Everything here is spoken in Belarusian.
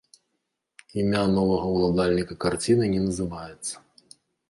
Імя новага ўладальніка карціны не называецца.